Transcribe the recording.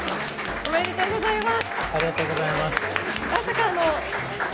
ありがとうございます。